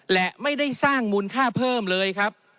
และไม่ได้สร้างมูลค่าเพิ่มเลยครับ